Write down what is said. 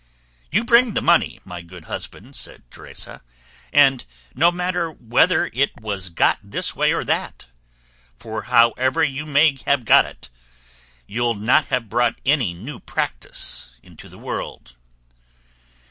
"You bring the money, my good husband," said Teresa, "and no matter whether it was got this way or that; for, however you may have got it, you'll not have brought any new practice into the world."